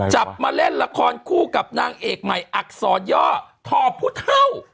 จับมาเล่นละครคู่กับนางเอกใหม่อักษรย่อทอพุเท่า